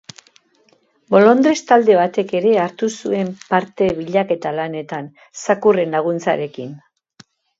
Bolondres talde batek ere hartu zuen parte bilaketa lanetan zakurren laguntzarekin.